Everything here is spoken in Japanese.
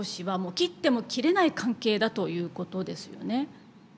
切っても切れない関係だということですよね。